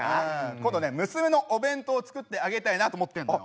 今度ね娘のお弁当作ってあげたいなと思ってるのよ。